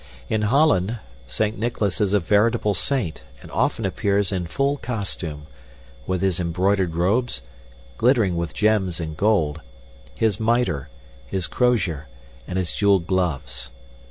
In Holland, Saint Nicholas is a veritable saint and often appears in full costume, with his embroidered robes, glittering with gems and gold, his miter, his crosier, and his jeweled gloves.